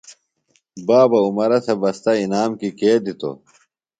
بابہ عمرہ تھےۡ بستہ انعام کیۡ کے دِتوۡ؟